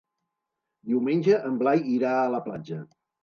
Diumenge en Blai irà a la platja.